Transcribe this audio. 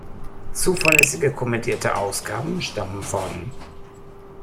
Zuverlässige kommentierte Ausgaben stammen von